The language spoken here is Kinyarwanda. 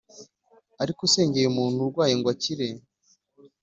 ariko usengeye umuntu urwaye ngo akire,